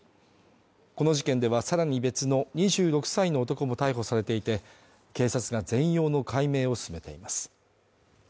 この事件ではさらに別の２６歳の男も逮捕されていて、警察が全容の解明を進めています。